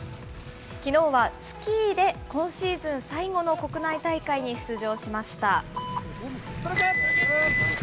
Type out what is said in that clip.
きのうはスキーで、今シーズン最後の国内大会に出場しました。